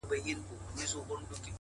جګړه نښتې په سپین سبا ده؛